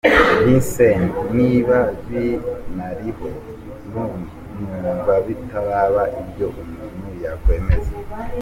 Vincent : Niba binariho numva bitaraba ibyo umuntu yakwemeza .